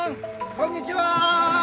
こんにちは。